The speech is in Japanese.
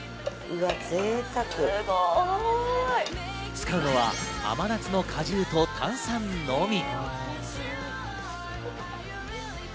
使うのは甘夏の果汁と炭酸のみ。